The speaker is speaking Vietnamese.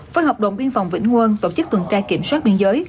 với hợp đồng biên phòng vĩnh ngương tổ chức tuần tra kiểm soát biên giới